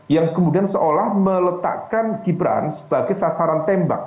yang kemudian seolah meletakkan gibran sebagai sasaran tembak